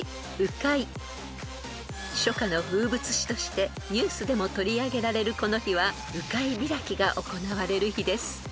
［初夏の風物詩としてニュースでも取り上げられるこの日は鵜飼開きが行われる日です］